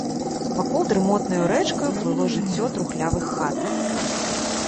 Вакол дрымотнаю рэчкаю плыло жыццё трухлявых хат.